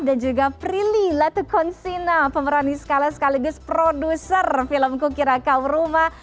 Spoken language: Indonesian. dan juga prilly latukonsina pemeran iskala sekaligus produser film kukirakau rumah